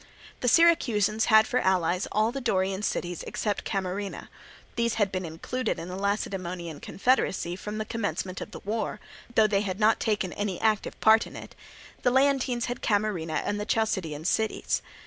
The Syracusans had for allies all the Dorian cities except Camarina—these had been included in the Lacedaemonian confederacy from the commencement of the war, though they had not taken any active part in it—the Leontines had Camarina and the Chalcidian cities.